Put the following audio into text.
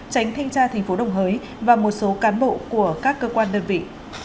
tránh thanh tra tp đồng hới và một số cán bộ của các cơ quan đơn vị